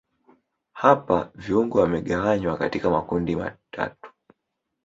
hapa viungo wamegawanywa katika makundi amtatu